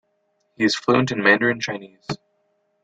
He is fluent in Mandarin Chinese.